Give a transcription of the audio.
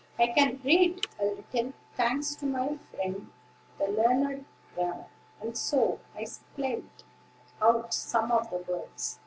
I can read a little, thanks to my friend, the learned raven; and so I spelt out some of the words.